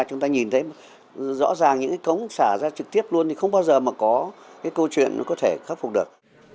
chúng ta nhìn thấy rõ ràng những cống xả ra trực tiếp luôn thì không bao giờ mà có câu chuyện có thể khắc phục được